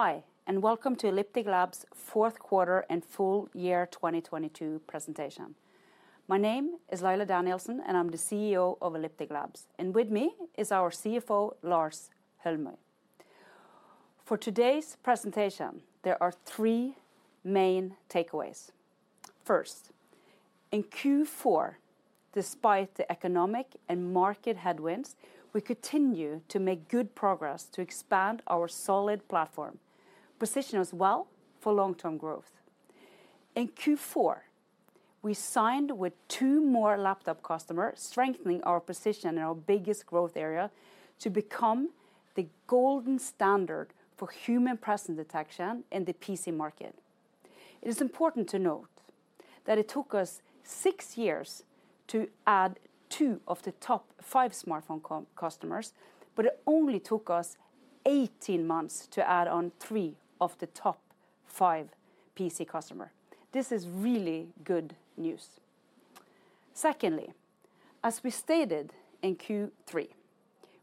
Hi, welcome to Elliptic Labs' Q4 and full year 2022 presentation. My name is Laila Danielsen, and I'm the CEO of Elliptic Labs, and with me is our CFO, Lars Holmøy. For today's presentation, there are three main takeaways. First, in Q4, despite the economic and market headwinds, we continue to make good progress to expand our solid platform, position us well for long-term growth. In Q4, we signed with two more laptop customers, strengthening our position in our biggest growth area to become the golden standard for human presence detection in the PC market. It is important to note that it took us six years to add two of the top five smartphone customers, but it only took us 18 months to add on three of the top five PC customer. This is really good news. Secondly, as we stated in Q3,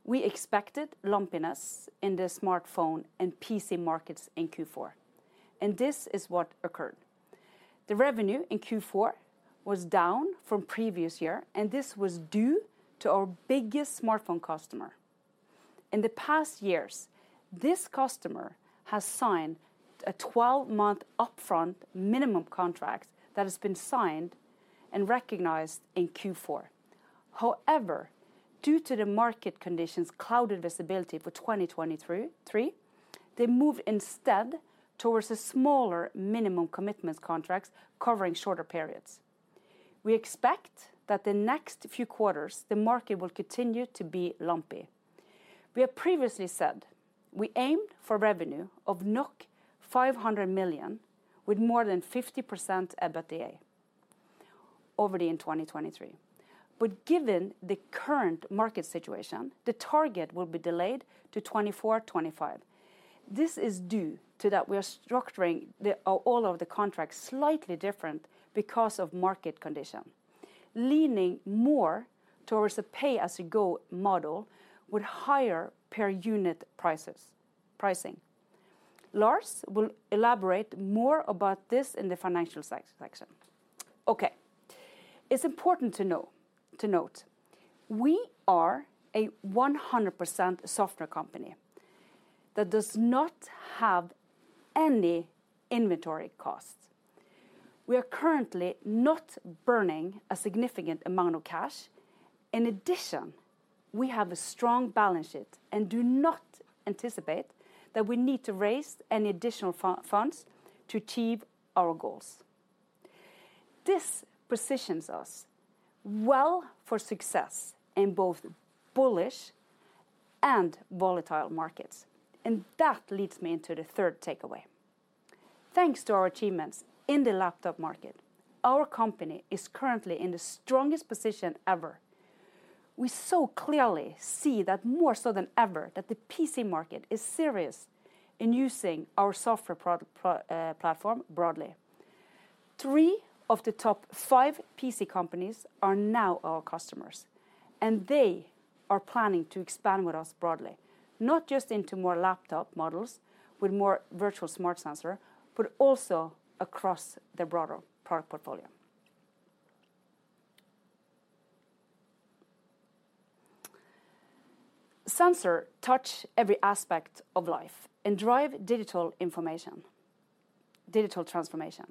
we expected lumpiness in the smartphone and PC markets in Q4, and this is what occurred. The revenue in Q4 was down from previous year. This was due to our biggest smartphone customer. In the past years, this customer has signed a 12-month upfront minimum contract that has been signed and recognized in Q4. However, due to the market conditions clouded visibility for 2023, they moved instead towards a smaller minimum commitment contracts covering shorter periods. We expect that the next few quarters, the market will continue to be lumpy. We have previously said we aim for revenue of 500 million with more than 50% EBITDA over the end of 2023. Given the current market situation, the target will be delayed to 2024, 2025. This is due to that we are structuring the all of the contracts slightly different because of market condition, leaning more towards a pay-as-you-go model with higher per unit pricing. Lars will elaborate more about this in the financial section. It's important to note we are a 100% software company that does not have any inventory costs. We are currently not burning a significant amount of cash. In addition, we have a strong balance sheet and do not anticipate that we need to raise any additional funds to achieve our goals. This positions us well for success in both bullish and volatile markets, that leads me into the third takeaway. Thanks to our achievements in the laptop market, our company is currently in the strongest position ever. We so clearly see that more so than ever, that the PC market is serious in using our software platform broadly. Three of the top five PC companies are now our customers, and they are planning to expand with us broadly, not just into more laptop models with more virtual smart sensor, but also across their broader product portfolio. Sensor touch every aspect of life and drive digital transformation.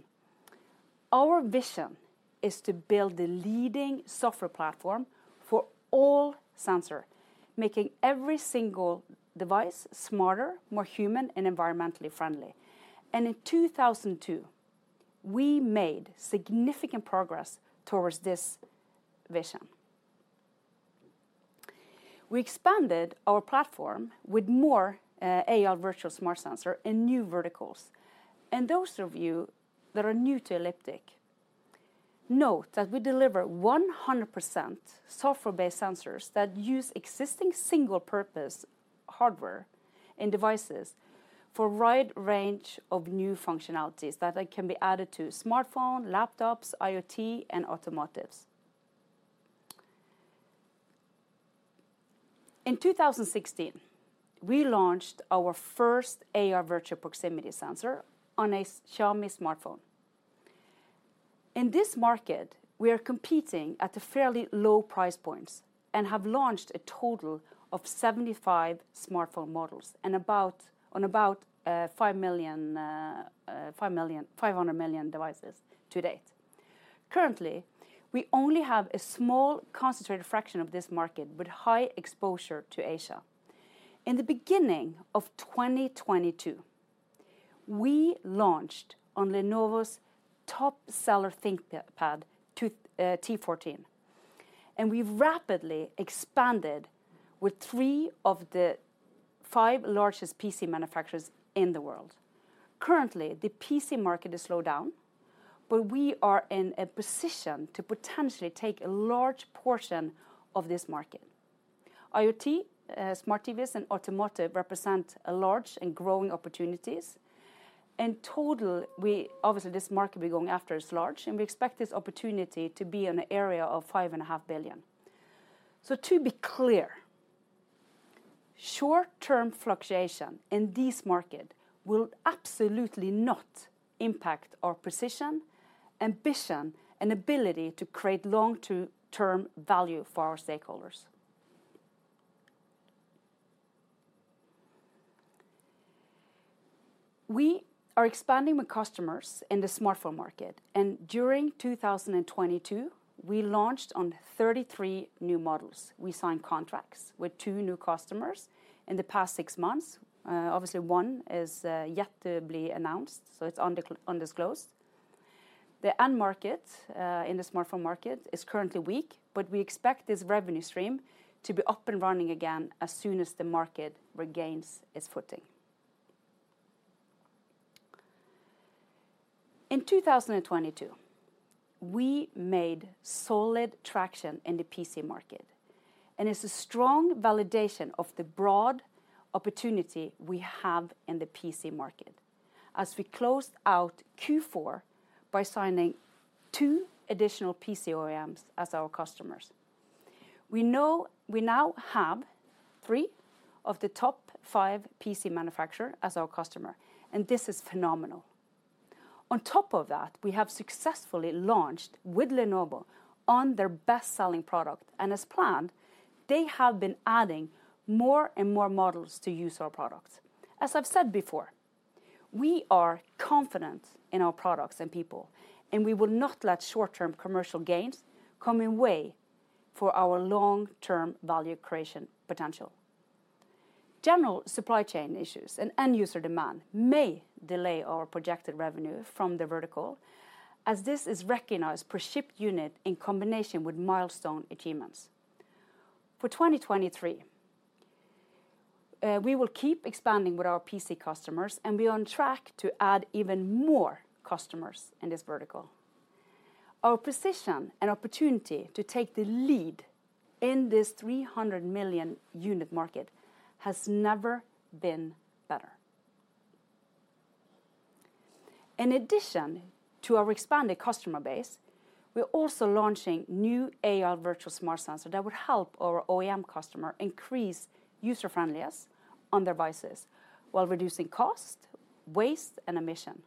Our vision is to build the leading software platform for all sensor, making every single device smarter, more human, and environmentally friendly. In 2002, we made significant progress towards this vision. We expanded our platform with more AI Virtual Smart Sensor in new verticals. Those of you that are new to Elliptic, note that we deliver 100% software-based sensors that use existing single-purpose hardware and devices for wide range of new functionalities that can be added to smartphone, laptops, IoT, and automotives. In 2016, we launched our first AI Virtual Proximity Sensor on a Xiaomi smartphone. In this market, we are competing at the fairly low price points and have launched a total of 75 smartphone models and on about 500 million devices to date. Currently, we only have a small concentrated fraction of this market with high exposure to Asia. In the beginning of 2022, we launched on Lenovo's top seller ThinkPad T14, and we've rapidly expanded with three of the five largest PC manufacturers in the world. Currently, the PC market has slowed down. We are in a position to potentially take a large portion of this market. IoT, smart TVs, and automotive represent a large and growing opportunities. In total, Obviously, this market we're going after is large, and we expect this opportunity to be in the area of $5.5 billion. To be clear, short-term fluctuation in this market will absolutely not impact our precision, ambition, and ability to create long-term value for our stakeholders. We are expanding with customers in the smartphone market, and during 2022, we launched on 33 new models. We signed contracts with two new customers in the past six months. Obviously, one is yet to be announced, so it's undisclosed. The end market in the smartphone market is currently weak, We expect this revenue stream to be up and running again as soon as the market regains its footing. In 2022, we made solid traction in the PC market, It's a strong validation of the broad opportunity we have in the PC market as we closed out Q4 by signing two additional PC OEMs as our customers. We now have three of the top five PC manufacturer as our customer, This is phenomenal. On top of that, we have successfully launched with Lenovo on their best-selling product, As planned, they have been adding more and more models to use our products. As I've said before, we are confident in our products and people, and we will not let short-term commercial gains come in way for our long-term value creation potential. General supply chain issues and end-user demand may delay our projected revenue from the vertical, as this is recognized per shipped unit in combination with milestone achievements. For 2023, we will keep expanding with our PC customers, and we are on track to add even more customers in this vertical. Our precision and opportunity to take the lead in this 300 million unit market has never been better. In addition to our expanded customer base, we're also launching new AI Virtual Smart Sensor that will help our OEM customer increase user-friendliness on their devices while reducing cost, waste, and emission.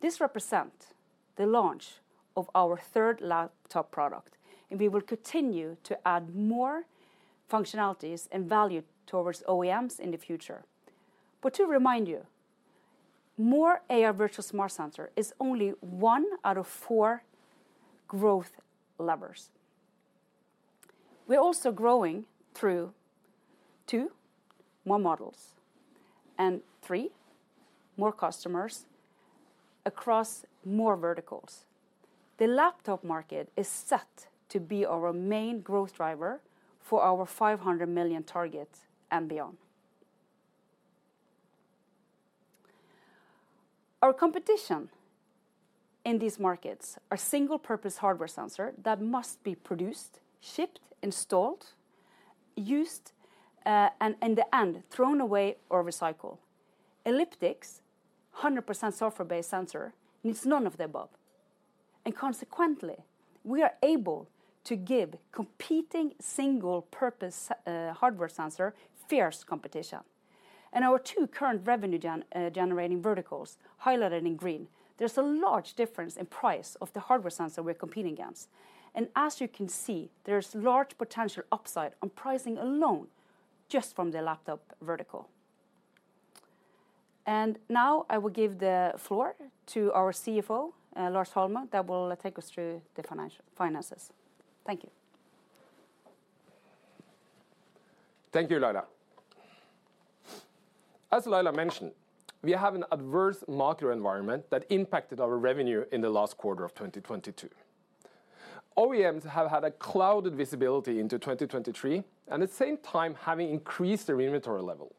This represent the launch of our third laptop product, and we will continue to add more functionalities and value towards OEMs in the future. To remind you, more AI Virtual Smart Sensor is only one out of four growth levers. We're also growing through two more models and three more customers across more verticals. The laptop market is set to be our main growth driver for our $500 million target and beyond. Our competition in these markets are single-purpose hardware sensor that must be produced, shipped, installed, used, and in the end, thrown away or recycled. Elliptic's 100% software-based sensor needs none of the above. Consequently, we are able to give competing single-purpose hardware sensor fierce competition. In our three current revenue generating verticals highlighted in green, there's a large difference in price of the hardware sensor we're competing against. As you can see, there's large potential upside on pricing alone just from the laptop vertical. Now I will give the floor to our CFO, Lars Holmøy, that will take us through the finances. Thank you. Thank you, Laila. As Laila mentioned, we have an adverse market environment that impacted our revenue in the last quarter of 2022. OEMs have had a clouded visibility into 2023. At the same time, having increased their inventory level.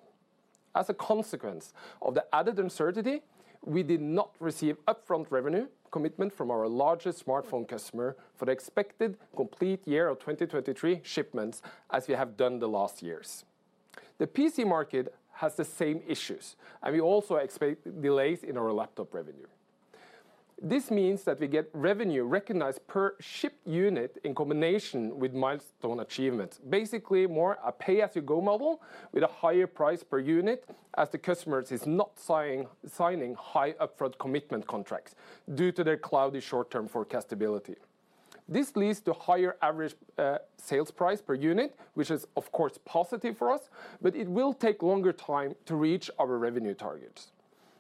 As a consequence of the added uncertainty, we did not receive upfront revenue commitment from our largest smartphone customer for the expected complete year of 2023 shipments as we have done the last years. The PC market has the same issues. We also expect delays in our laptop revenue. This means that we get revenue recognized per shipped unit in combination with milestone achievements. Basically, more a pay-as-you-go model with a higher price per unit as the customers is not signing high upfront commitment contracts due to their cloudy short-term forecastability. This leads to higher average sales price per unit, which is of course positive for us, but it will take longer time to reach our revenue targets.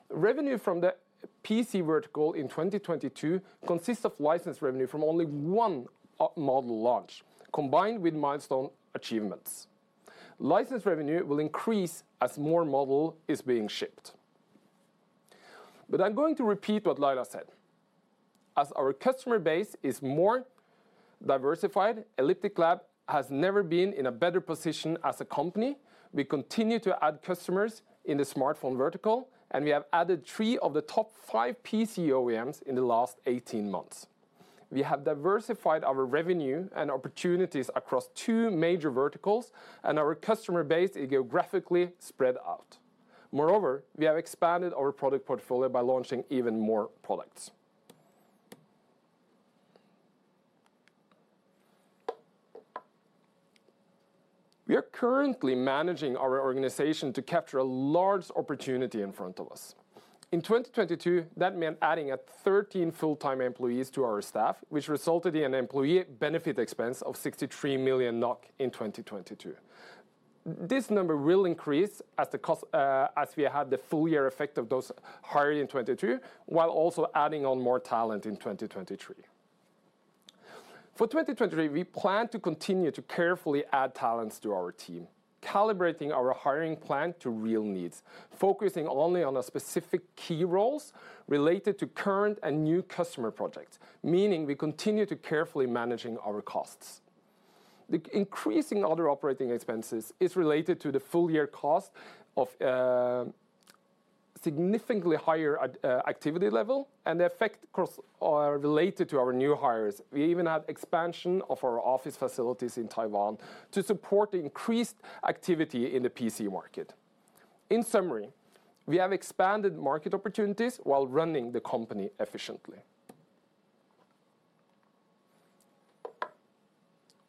Revenue from the PC vertical in 2022 consists of license revenue from only one model launch combined with milestone achievements. License revenue will increase as more model is being shipped. I'm going to repeat what Laila said. As our customer base is more diversified, Elliptic Labs has never been in a better position as a company. We continue to add customers in the smartphone vertical, and we have added three of the top five PC OEMs in the last 18 months. We have diversified our revenue and opportunities across two major verticals, and our customer base is geographically spread out. We have expanded our product portfolio by launching even more products. We are currently managing our organization to capture a large opportunity in front of us. In 2022, that meant adding 13 full-time employees to our staff, which resulted in an employee benefit expense of 63 million NOK in 2022. This number will increase as the cost, as we have the full year effect of those hired in 2022, while also adding on more talent in 2023. For 2023, we plan to continue to carefully add talents to our team, calibrating our hiring plan to real needs, focusing only on the specific key roles related to current and new customer projects, meaning we continue to carefully managing our costs. The increasing other operating expenses is related to the full year cost of significantly higher activity level. The effect costs are related to our new hires. We even have expansion of our office facilities in Taiwan to support the increased activity in the PC market. In summary, we have expanded market opportunities while running the company efficiently.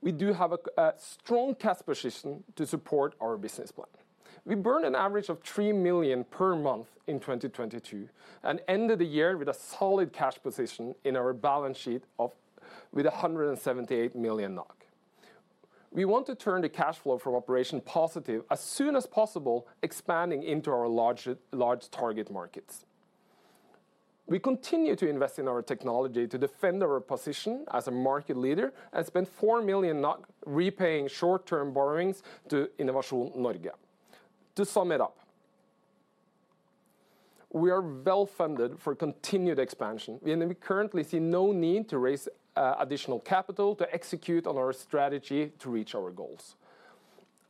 We do have a strong cash position to support our business plan. We burned an average of 3 million per month in 2022. We ended the year with a solid cash position in our balance sheet of 178 million NOK. We want to turn the cash flow from operation positive as soon as possible, expanding into our large target markets. We continue to invest in our technology to defend our position as a market leader, and spend 4 million repaying short-term borrowings to Innovasjon Norge. To sum it up, we are well-funded for continued expansion, and we currently see no need to raise, additional capital to execute on our strategy to reach our goals.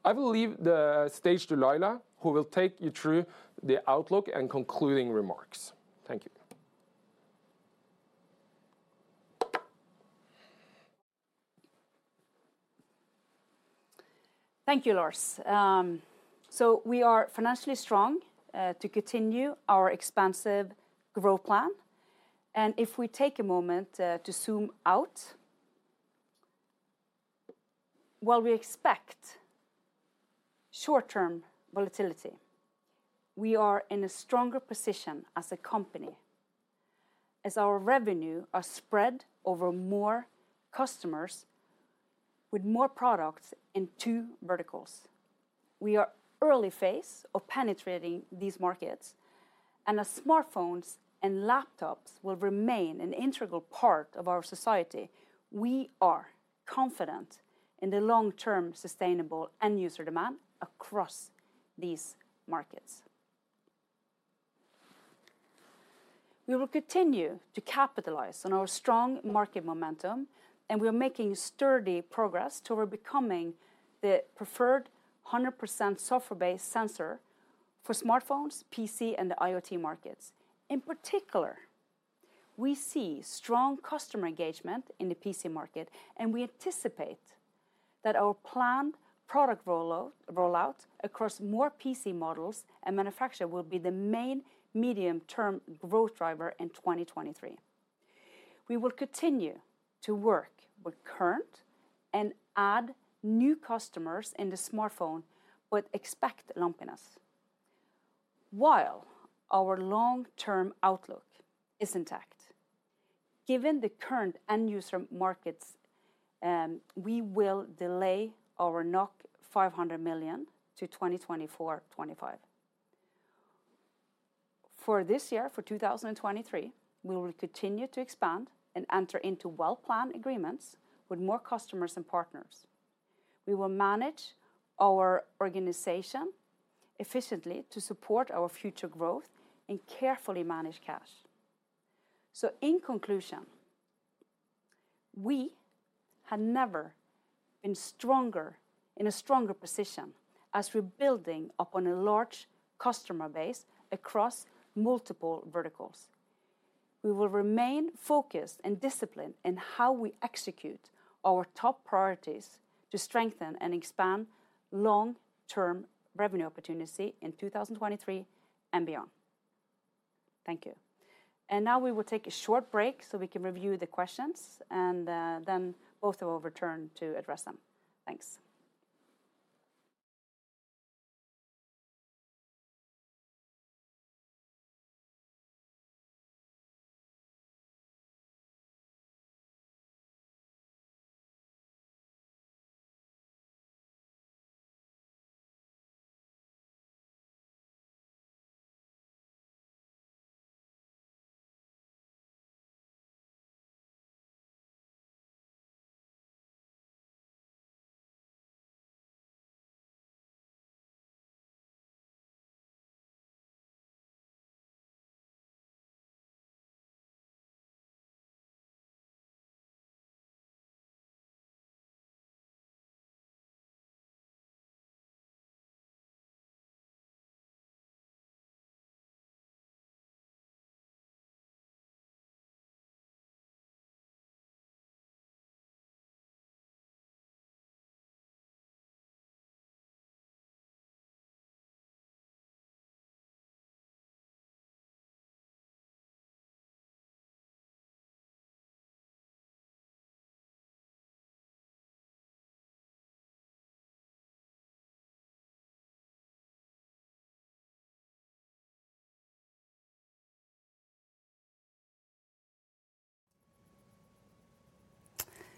I will leave the stage to Laila, who will take you through the outlook and concluding remarks. Thank you. Thank you, Lars. We are financially strong to continue our expansive growth plan. If we take a moment to zoom out, while we expect short-term volatility, we are in a stronger position as a company, as our revenue are spread over more customers with more products in two verticals. We are early phase of penetrating these markets. As smartphones and laptops will remain an integral part of our society, we are confident in the long-term sustainable end user demand across these markets. We will continue to capitalize on our strong market momentum, and we're making sturdy progress toward becoming the preferred 100% software-based sensor for smartphones, PC, and the IoT markets. In particular, we see strong customer engagement in the PC market, and we anticipate that our planned product rollout across more PC models and manufacturer will be the main medium-term growth driver in 2023. We will continue to work with current and add new customers in the smartphone, but expect lumpiness. While our long-term outlook is intact, given the current end user markets, we will delay our 500 million to 2024, 2025. For this year, for 2023, we will continue to expand and enter into well-planned agreements with more customers and partners. We will manage our organization efficiently to support our future growth and carefully manage cash. In conclusion, we have never been in a stronger position as we're building upon a large customer base across multiple verticals. We will remain focused and disciplined in how we execute our top priorities to strengthen and expand long-term revenue opportunity in 2023 and beyond. Thank you. Now we will take a short break so we can review the questions, and then both of us will return to address them. Thanks.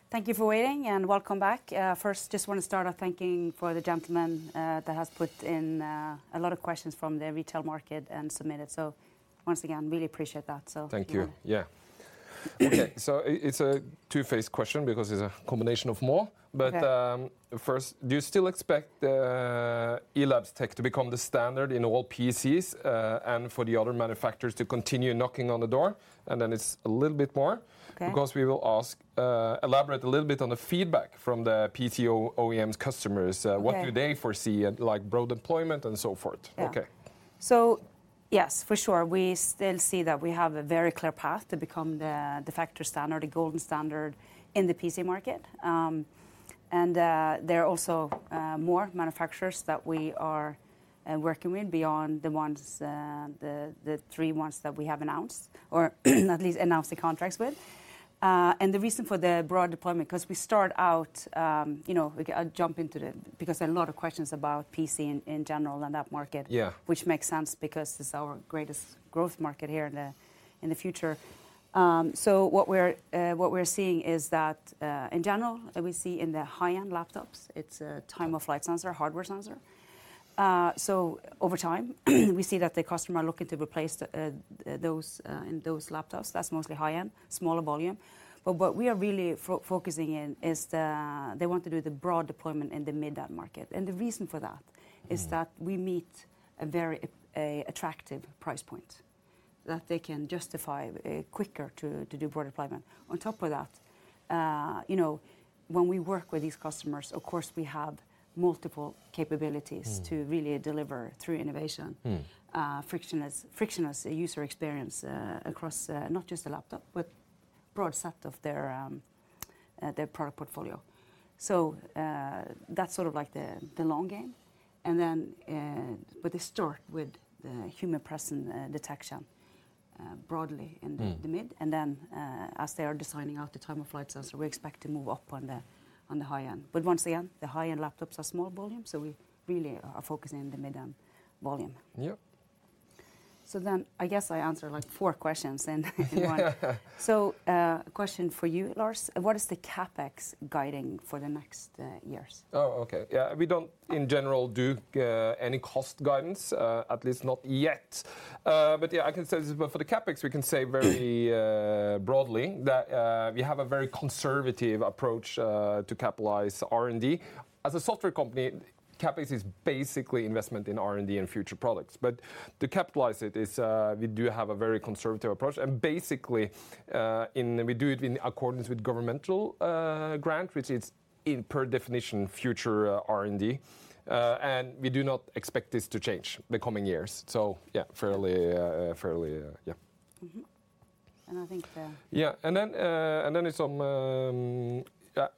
Thank you for waiting, and welcome back. First just wanna start off thanking for the gentleman that has put in a lot of questions from the retail market and submit it. Once again, really appreciate that, so. Thank you. Yeah. Yeah. Okay. It's a two-faced question because it's a combination of more. Okay. first, do you still expect, Ellab's tech to become the standard in all PCs, and for the other manufacturers to continue knocking on the door? it's a little bit more- Okay We will ask, elaborate a little bit on the feedback from the PC OEMs customers. Okay. What do they foresee, like, broad deployment and so forth? Yeah. Okay. Yes, for sure. We still see that we have a very clear path to become the de facto standard, the golden standard in the PC market. There are also more manufacturers that we are working with beyond the three ones that we have announced, or at least announced the contracts with. The reason for the broad deployment, 'cause we start out, you know, because a lot of questions about PC in general and that market... Yeah ...which makes sense because it's our greatest growth market here in the future. What we're seeing is that in general, that we see in the high-end laptops, it's a time-of-flight sensor, hardware sensor. Over time, we see that the customer are looking to replace those in those laptops. That's mostly high-end, smaller volume. What we are really focusing in is the, they want to do the broad deployment in the mid-end market. The reason for that... Mm ...is that we meet a very attractive price point that they can justify quicker to do broad deployment. On top of that, you know, when we work with these customers, of course, we have multiple capabilities... Mm to really deliver through innovation. Mm... frictionless user experience, across, not just the laptop, but broad set of their product portfolio. That's sort of like the long game. They start with the human presence detection, broadly. Mm ...the mid. As they are designing out the time-of-flight sensor, we expect to move up on the high-end. Once again, the high-end laptops are small volume, so we really are focusing on the mid-end volume. Yep. I guess I answered, like, four questions in one. Yeah. A question for you, Lars. What is the CapEx guiding for the next years? Oh, okay. Yeah, we don't, in general, do any cost guidance, at least not yet. Yeah, I can say this, but for the CapEx, we can say very broadly that we have a very conservative approach to capitalize R&D. As a software company, CapEx is basically investment in R&D and future products. But to capitalize it is, we do have a very conservative approach, and basically, we do it in accordance with governmental grant, which it's, in per definition, future R&D. We do not expect this to change the coming years. Yeah, fairly, yeah. Mm-hmm. I think, Yeah. Then it's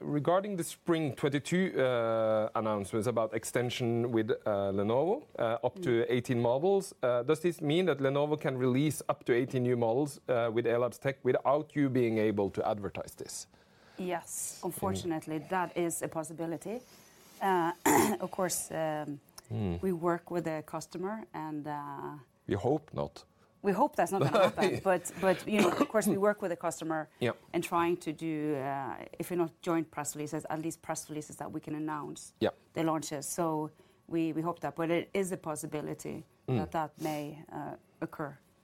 regarding the spring 2022 announcements about extension with Lenovo up to 18 models, does this mean that Lenovo can release up to 18 new models with Elliptic Labs' tech without you being able to advertise this? Yes. Mm. Unfortunately, that is a possibility. Of course. Mm ...we work with the customer, and. We hope not. We hope that's not gonna happen. You know, of course, we work with the customer. Yep ...and trying to do, if not joint press releases, at least press releases that we can. Yep ...the launches. We hope that. It is a possibility-. Mm that may.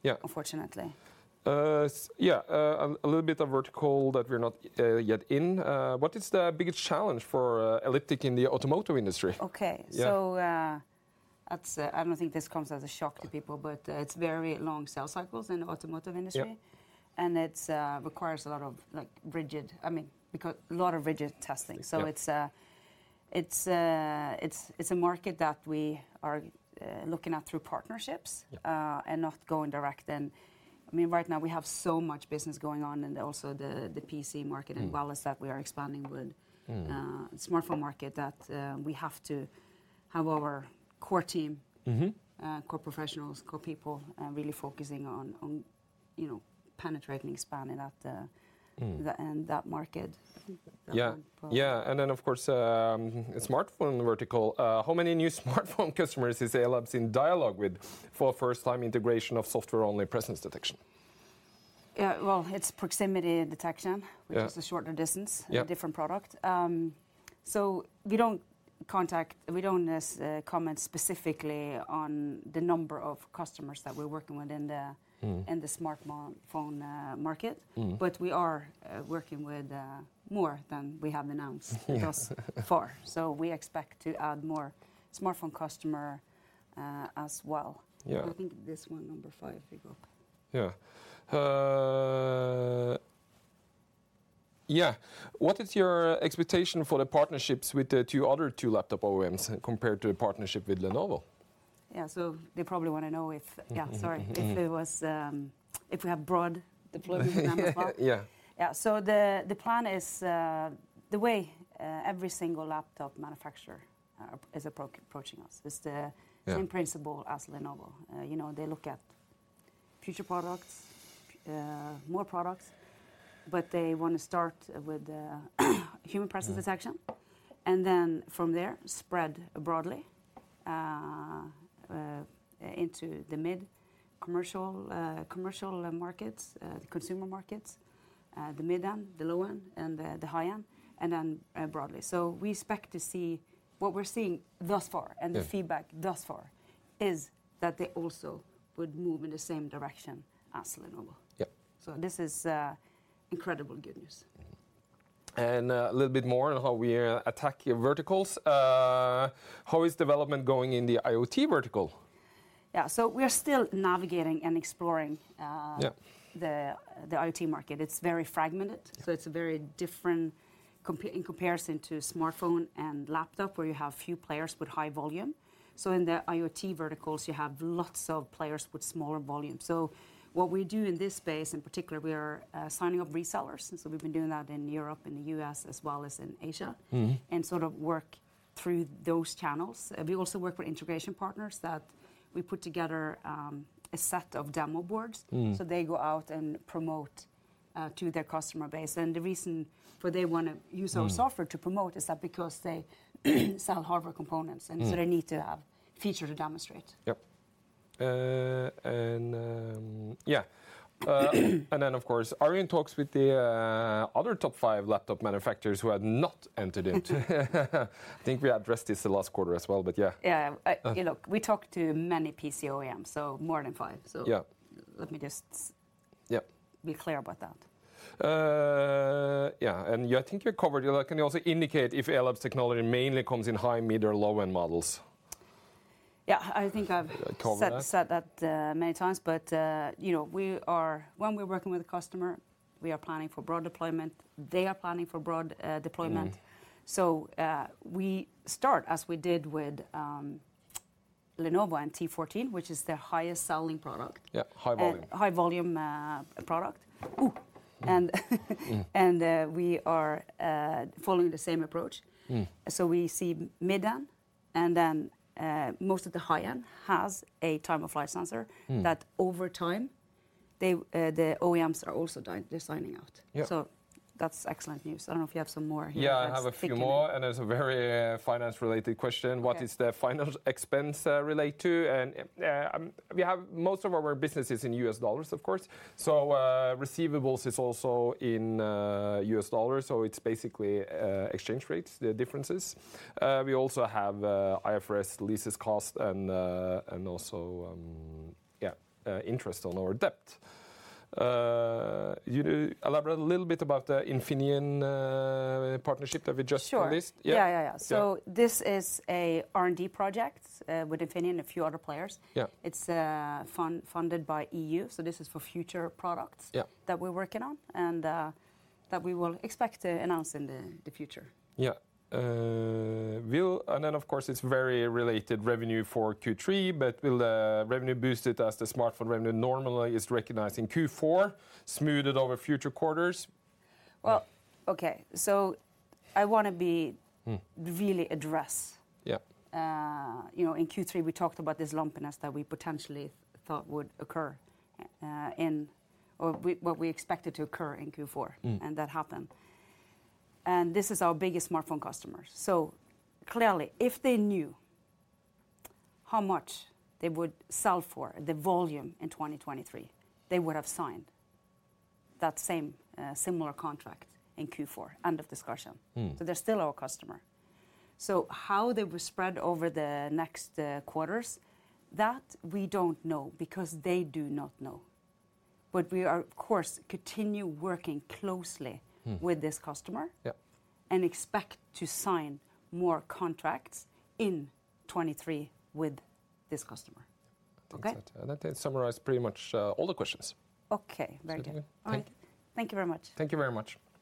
Yep ...unfortunately. Yeah. A little bit of vertical that we're not yet in. What is the biggest challenge for Elliptic in the automotive industry? Okay. Yeah. That's I don't think this comes as a shock to people, but it's very long sales cycles in the automotive industry. Yep. It requires a lot of rigid testing. Yep. It's a market that we are looking at through partnerships. Yep... and not going direct. I mean, right now, we have so much business going on in the also the PC market... Mm Well as that we are expanding. Mm ...smartphone market that, we have to have our core team- Mm-hmm ...core professionals, core people, really focusing on, you know, penetrating, expanding that. Mm ...the, in that market. I think that one Yeah. Yeah. Of course, smartphone vertical. How many new smartphone customers is Ellab's in dialogue with for first-time integration of software-only presence detection? Well, it's proximity detection. Yeah ...which is a shorter distance. Yep ...and a different product. We don't comment specifically on the number of customers that we're working with in the... Mm in the smartphone market. Mm. We are working with more than we have announced thus far. We expect to add more smartphone customer as well. Yeah. I think this one, number five, if you go. Yeah. Yeah. What is your expectation for the partnerships with the two other laptop OEMs compared to the partnership with Lenovo? Yeah. They probably wanna know if... Yeah, sorry. If it was, if we have broad deployment- Yeah number of Yeah. Yeah. The, the plan is, the way, every single laptop manufacturer, is approaching us is the. Yeah ...same principle as Lenovo. you know, they look at future products, more products, but they want to start with, human presence detection. Mm... and then from there spread broadly into the mid commercial markets, the consumer markets, the mid-end, the low-end, and the high-end, and then broadly. What we're seeing thus far. Yeah The feedback thus far is that they also would move in the same direction as Lenovo. Yep. This is incredible good news. A little bit more on how we attack your verticals. How is development going in the IoT vertical? Yeah, we're still navigating and exploring. Yeah... the IoT market. It's very fragmented, so it's very different in comparison to smartphone and laptop where you have few players but high volume. In the IoT verticals you have lots of players with smaller volume. What we do in this space in particular, we are signing up resellers, we've been doing that in Europe and the US as well as in Asia. Mm-hmm... and sort of work through those channels. We also work with integration partners that we put together, a set of demo boards. Mm so they go out and promote to their customer base. The reason for they. Mm... our software to promote is that because they sell hardware components Mm They need to have feature to demonstrate. Yep. Yeah. Of course, are you in talks with the other top 5 laptop manufacturers who have not entered into... I think we addressed this the last quarter as well, but yeah. Yeah, we talked to many PC OEMs, so more than five. Yeah... let me Yeah be clear about that. Yeah, and yeah, I think you covered... Can you also indicate if AI technology mainly comes in high, mid, or low-end models? Yeah. I think. Covered that.... said that many times but, you know, when we're working with a customer, we are planning for broad deployment. They are planning for broad deployment. Mm. We start as we did with Lenovo and T14, which is their highest selling product. Yeah. High volume. High volume, product. Ooh. Mm. We are following the same approach. Mm. We see mid-end, and then, most of the high-end has a time-of-flight sensor. Mm... that over time they, the OEMs are also they're signing out. Yep. That's excellent news. I don't know if you have some more here that's fitting in. Yeah. I have a few more, and it's a very finance related question. Okay. What is the finance expense relate to? We have most of our businesses in US dollars of course, so receivables is also in US dollars, so it's basically, exchange rates, the differences. We also have IFRS leases cost and also, yeah, interest on our debt. You elaborate a little bit about the Infineon partnership that we just released. Sure. Yeah. Yeah, yeah. Yeah. This is a R&D project with Infineon and a few other players. Yeah. It's funded by EU, so this is for future products- Yeah... that we're working on and that we will expect to announce in the future. Yeah. Of course it's very related revenue for Q3, but will the revenue boost it as the smartphone revenue normally is recognized in Q4 smoothed over future quarters? Well, okay. Mm really address. Yeah. you know, in Q3 we talked about this lumpiness that we potentially thought would occur, in or we expected to occur in Q4. Mm. That happened. This is our biggest smartphone customer. Clearly if they knew how much they would sell for, the volume in 2023, they would have signed that same similar contract in Q4, end of discussion. Mm. They're still our customer. How they will spread over the next quarters, that we don't know because they do not know. We are of course continue working closely. Mm... with this. Yep Expect to sign more contracts in 2023 with this customer. I think. Okay? that summarize pretty much all the questions. Okay. Very good. Yeah. All right. Thank- Thank you very much. Thank you very much.